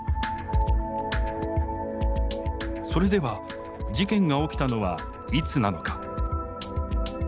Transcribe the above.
それでは事件が起きたのはいつなのか。